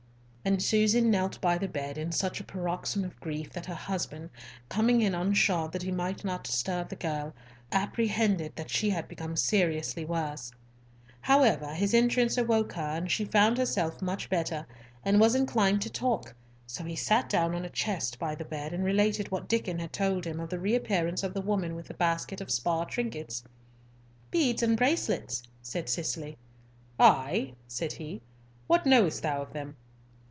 And Susan knelt by the bed in such a paroxysm of grief that her husband, coming in unshod that he might not disturb the girl, apprehended that she had become seriously worse. However, his entrance awoke her, and she found herself much better, and was inclined to talk, so he sat down on a chest by the bed, and related what Diccon had told him of the reappearance of the woman with the basket of spar trinkets. "Beads and bracelets," said Cicely. "Ay?" said he. "What knowest thou of them?"